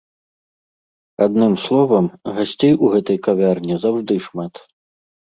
Адным словам, гасцей у гэтай кавярні заўжды шмат.